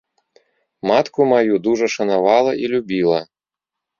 Матку маю дужа шанавала і любіла.